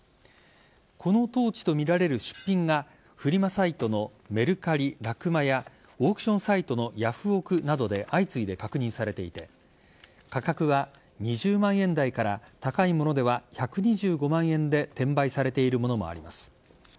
このトーチとみられる出品がフリマサイトのメルカリ、ラクマやオークションサイトのヤフオク！などで相次いで確認されていて価格は２０万円台から高いものでは１２５万円で転売されているものもあります。